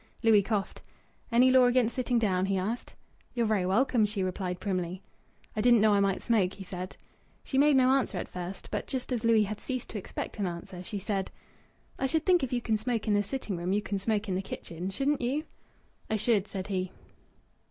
Louis coughed. "Any law against sitting down?" he asked. "You're very welcome," she replied primly. "I didn't know I might smoke," he said. She made no answer at first, but just as Louis had ceased to expect an answer, she said "I should think if you can smoke in the sitting room you can smoke in the kitchen shouldn't you?" "I should," said he.